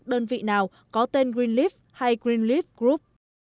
đơn vị nào có tên greenleaf hay greenleaf group